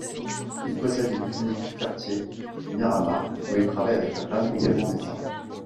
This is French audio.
Il possède une clinique quartier Miramar où il travaille avec sa femme, également médecin.